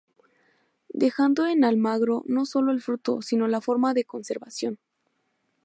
Dejando en Almagro no sólo el fruto sino la forma de conservación.